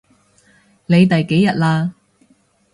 你第幾日喇？